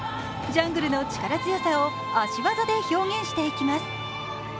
ジャングルの力強さを足技で表現していきます。